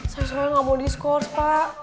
saya soalnya gak mau diskors pak